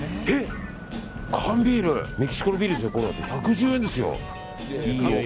缶ビール、メキシコのビール１１０円ですよ。